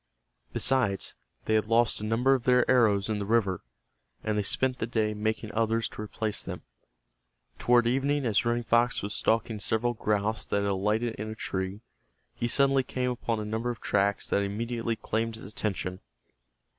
Besides, they had lost a number of their arrows in the river, and they spent the day making others to replace them. Toward evening as Running Fox was stalking several grouse that had alighted in a tree, he suddenly came upon a number of tracks that immediately claimed his attention.